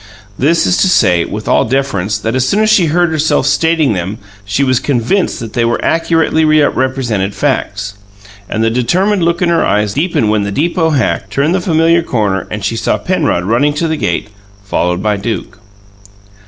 This is to say, with all deference, that as soon as she heard herself stating them she was convinced that they accurately represented facts. And the determined look in her eyes deepened when the "deepoe hack" turned the familiar corner and she saw Penrod running to the gate, followed by Duke.